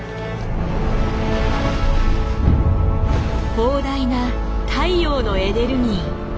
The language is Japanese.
膨大な太陽のエネルギー。